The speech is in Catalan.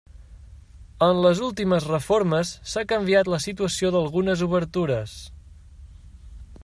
En les últimes reformes s'ha canviat la situació d'algunes obertures.